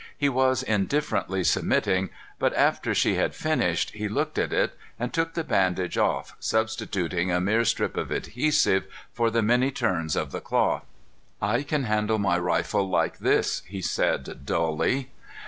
He was indifferently submitting, but after she had finished, he looked at it and took the bandage off, substituting a mere strip of adhesive for the many turns of the cloth. "I can handle my rifle like this," he said dully.